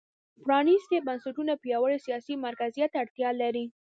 پرانېستي بنسټونه پیاوړي سیاسي مرکزیت ته اړتیا لري.